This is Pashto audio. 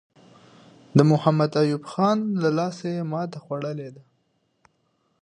محمد ایوب خان له لاسه ماته خوړلې ده.